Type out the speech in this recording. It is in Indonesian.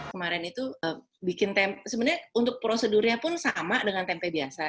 kemarin itu bikin tempe sebenarnya untuk prosedurnya pun sama dengan tempe biasa